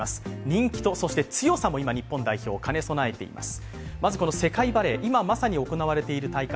人気とそして強さも今、日本代表、兼ね備えています。